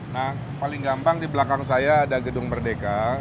nah paling gampang di belakang saya ada gedung merdeka